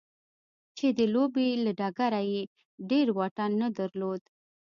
چې د لوبې له ډګره يې ډېر واټن نه درلود.